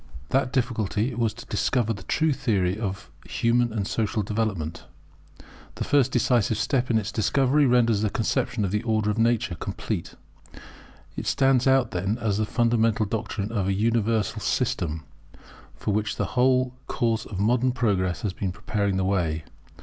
That difficulty was to discover the true Theory of human and social Development. The first decisive step in this discovery renders the conception of the Order of Nature complete. It stands out then as the fundamental doctrine of an universal system, for which the whole course of modern progress has been preparing the way.